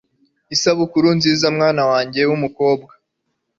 isabukuru nziza mwana wanjye wumukobwa .